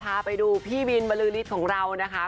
ท้าไปดูพี่บินมะลื้อลิศของเรานะคะ